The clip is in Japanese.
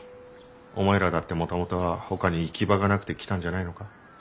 お前らだってもともとはほかに行き場がなくて来たんじゃないのか？